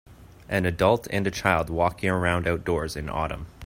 An adult and a child walking around outdoors in Autumn.